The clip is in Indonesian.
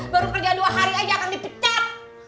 baru kerjaan dua hari aja akan dipecat